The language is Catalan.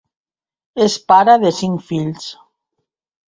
És pare de cinc fills.